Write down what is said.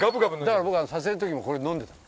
だから僕は撮影の時もこれ飲んでた。